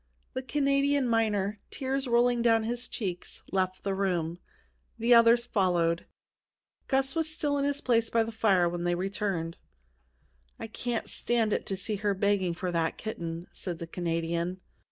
The Canadian miner, tears rolling down his cheeks, left the room. The others followed. Gus was still in his place by the fire when they returned. "I can't stand it to see her begging for that kitten," said the Canadian.